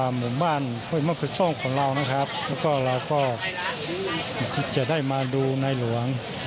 หมู่บ้านมันคือทรงของเราแล้วก็เราก็จะได้มาดูในหลวง